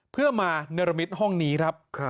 เพื่อมาเนรมิตห้องนี้ครับ